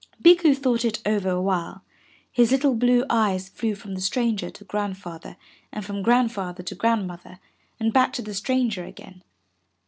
Bikku thought it over a while, his little blue eyes flew from the stranger to Grandfather, and from Grand father to Grandmother, and back to the stranger again.